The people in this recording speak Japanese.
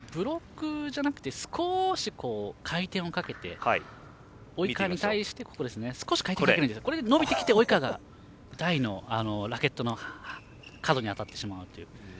しかもブロックじゃなくて少し回転をかけて及川に対してこれで伸びてきて及川が台のラケットの角に当たってしまうという。